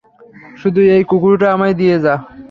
শুধু এই কুকুরটা আমায় দিয়ে যা।